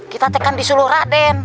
kita tekan di seluruh raden